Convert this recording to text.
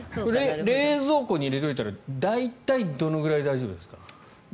冷蔵庫に入れておいたら大体、どのくらい大丈夫ですか？